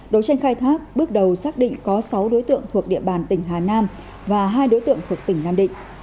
đấu tranh khai thác bước đầu xác định có sáu đối tượng thuộc địa bàn tỉnh hà nam và hai đối tượng thuộc tỉnh nam định